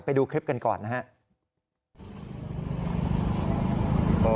ไปดูคลิปกันก่อนนะครับ